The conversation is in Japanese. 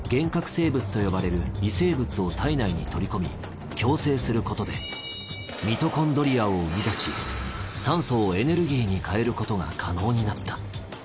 生物と呼ばれる異生物を体内に取り込み共生することでミトコンドリアを生み出し酸素をエネルギーに変えることが可能になった。